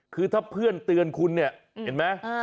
คือถ้าเพื่อนเตือนคุณเนี่ยเห็นไหม